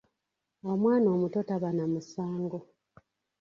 Omwana omuto taba na musango.